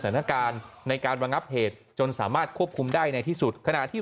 สถานการณ์ในการระงับเหตุจนสามารถควบคุมได้ในที่สุดขณะที่